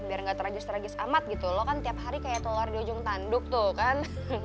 biar gak tragis tragis amat gitu lo kan tiap hari kayak teluar di ojung tanduk tuh kan